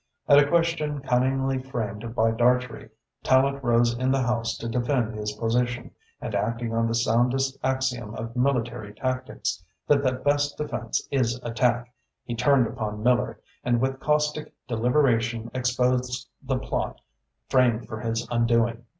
At a question cunningly framed by Dartrey, Tallente rose in the House to defend his position, and acting on the soundest axiom of military tactics, that the best defence is attack, he turned upon Miller, and with caustic deliberation exposed the plot framed for his undoing.